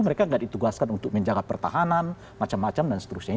mereka tidak ditugaskan untuk menjaga pertahanan macam macam dan seterusnya